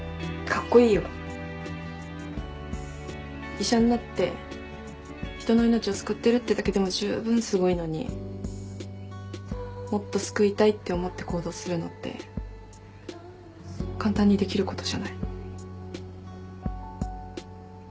医者になって人の命を救ってるってだけでもじゅうぶんすごいのにもっと救いたいって思って行動するのって簡単にできることじゃない。